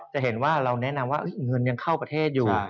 จะเห็นว่าเราแนะนำว่าเงินยังเข้าประเทศอยู่